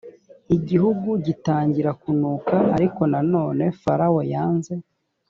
igihugu gitangira kunuka ariko nanone farawo yanze